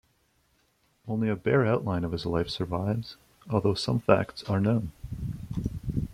Only a bare outline of his life survives, although some facts are known.